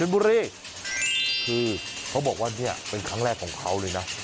บุรีคือเขาบอกว่าเนี่ยเป็นครั้งแรกของเขาเลยนะ